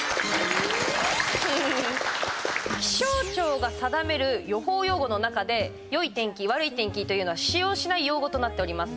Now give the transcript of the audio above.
気象庁が定める予報用語の中で「良い天気」「悪い天気」というのは使用しない用語となっております。